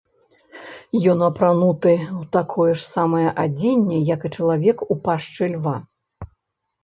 Ён апрануты ў такое ж самае адзенне, як і чалавек у пашчы льва.